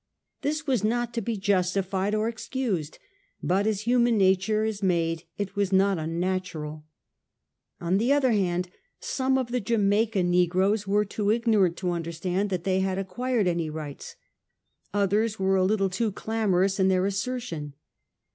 Tbis was not to be justified or excused; but as human nature is made it was not unnatural. On tbe other band, some of tbe Jamaica negroes were too ignorant to understand tbat they bad acquired any rights ; others were a little too clamorous in their assertion.